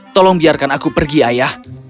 tolong biarkan aku pergi ayah